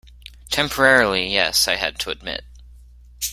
"Temporarily, yes," I had to admit.